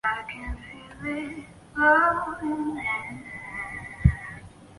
努伊扬人口变化图示